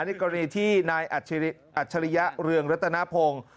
ในกรณีที่นายอัจฉริยะเรืองรัตนพงศ์